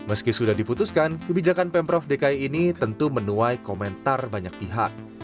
meski sudah diputuskan kebijakan pemprov dki ini tentu menuai komentar banyak pihak